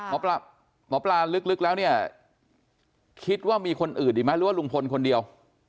หมอปลาลึกแล้วเนี่ยคิดว่ามีคนอื่นหรือลุงพลคนเดียว